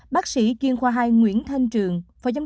bác sĩ chuyên khoa hai nguyễn thanh trường